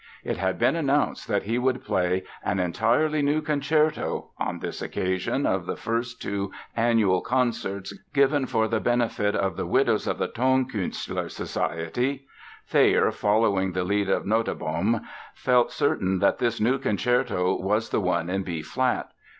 It had been announced that he would play "an entirely new concerto" on this occasion of the first two annual concerts given for the benefit of the widows of the Tonkünstler Society. Thayer, following the lead of Nottebohm, felt certain that this "new" concerto was the one in B flat.